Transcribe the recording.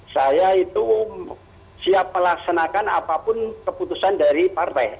saya itu siap melaksanakan apapun keputusan dari partai